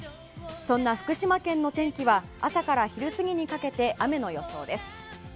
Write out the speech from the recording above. そんな福島県の天気は朝から昼過ぎにかけて雨の予想です。